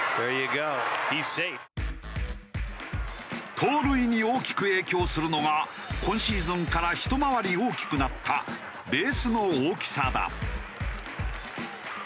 盗塁に大きく影響するのが今シーズンからひと回り大きくなったベースの大きさだ。